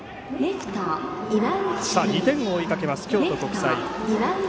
２点を追いかけます、京都国際。